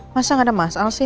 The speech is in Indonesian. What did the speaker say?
masa gak ada masalah sih